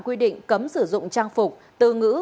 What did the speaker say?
quy định cấm sử dụng trang phục từ ngữ